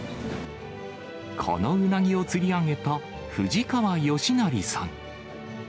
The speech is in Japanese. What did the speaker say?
このウナギを釣り上げた藤川佳成さん。